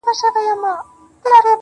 ماته خو اوس هم گران دى اوس يې هم يادوم